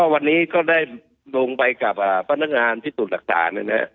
วันนี้ก็ได้ดังไปกับพันธุ์งานพิจุดหลักฐาน